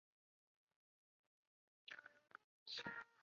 富士冢是富士信仰模仿富士山营造的人工的山或冢。